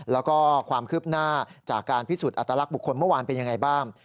แล้วก็ความคืบหน้าจากการพิสูจน์อัตลักษณ์บุคคลเมื่อวานเป็นยังไงบ้าง